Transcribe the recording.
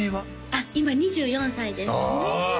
あっ今２４歳ですあ